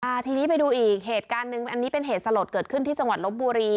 ทีนี้ไปดูอีกเหตุการณ์หนึ่งอันนี้เป็นเหตุสลดเกิดขึ้นที่จังหวัดลบบุรี